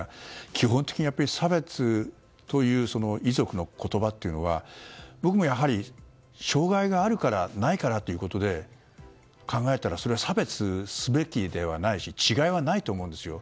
基本的に差別という遺族の言葉というのは僕もやはり障害があるからないからということで考えたらそれは差別すべきではないし違いはないと思うんですよ。